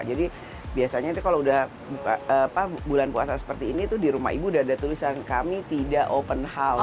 jadi biasanya itu kalau udah bulan puasa seperti ini tuh di rumah ibu udah ada tulisan kami tidak open house